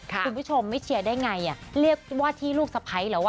คุณผู้ชมเชียร์ได้ไงเรียกว่าที่ลูกสะไพส์ละวะ